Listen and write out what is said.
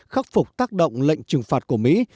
khắc phục tác động lệnh trừng phạt của mỹ